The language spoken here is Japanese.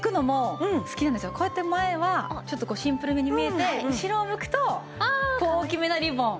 こうやって前はちょっとシンプルめに見えて後ろ向くと大きめなリボン。